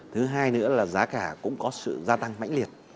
thứ hai nữa là giá cả cũng có sự gia tăng mạnh liệt